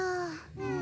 うん。